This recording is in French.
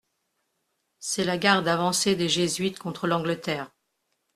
C'est la garde avancée des jésuites contre l'Angleterre.